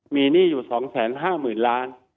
มีหนี้อยู่๒๕๐๐๐ล้าน